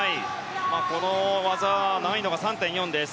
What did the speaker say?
この技難易度が３．４です。